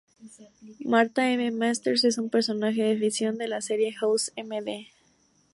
Martha M. Masters es un personaje de ficción de la serie House M. D..